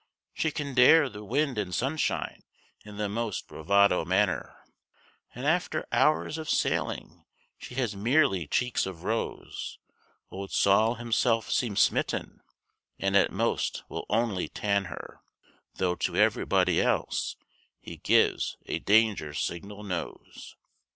She can dare the wind and sunshine in the most bravado manner, And after hours of sailing she has merely cheeks of rose; Old Sol himself seems smitten, and at most will only tan her, Though to everybody else he gives a danger signal nose.